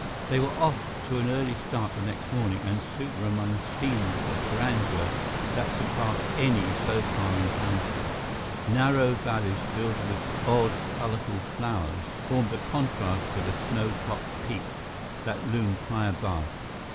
They were off to an early start the next morning and soon were among scenes of grandeur that surpassed any so far encountered. Narrow valleys filled with odd, colorful flowers formed a contrast to the snow topped peaks that loomed high above.